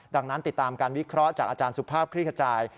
ดังนั้นติดตามการวิเคราะห์จากอาจารย์สุภาพคลี่ขจาย